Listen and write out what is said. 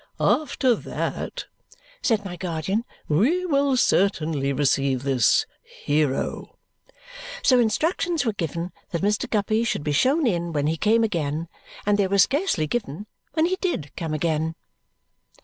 "After that," said my guardian, "we will certainly receive this hero." So instructions were given that Mr. Guppy should be shown in when he came again, and they were scarcely given when he did come again.